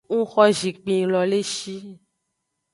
Ng xo zinkpin lo le shi.